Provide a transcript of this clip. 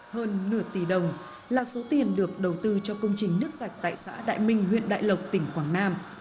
hơn nửa tỷ đồng là số tiền được đầu tư cho công trình nước sạch tại xã đại minh huyện đại lộc tỉnh quảng nam